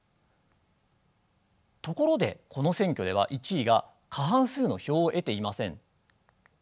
ところでこの選挙では１位が過半数の票を得ていません。